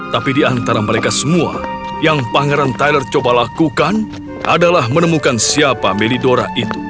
tapi di antara mereka semua yang pangeran tyler coba lakukan adalah menemukan siapa melidora itu